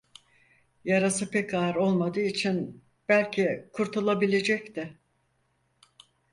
Yarası pek ağır olmadığı için belki kurtulabilecekti.